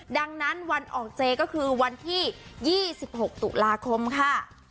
ดังนั้นวันออกเจก็คือวันที่๒๖ตุลาคมค่ะ